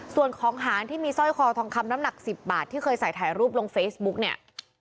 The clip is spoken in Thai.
ส่วนของหางที่มีสร้อยคอทองคำน้ำหนัก๑๐บาทที่เคยใส่ถ่ายรูปลงเฟซบุ๊กเนี่ย